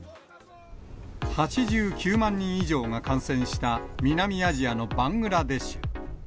８９万人以上が感染した南アジアのバングラデシュ。